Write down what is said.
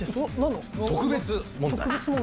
特別問題。